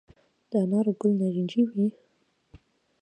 د انارو ګل نارنجي وي؟